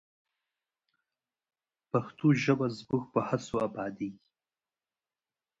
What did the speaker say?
پښتو ژبه زموږ په هڅو ابادیږي.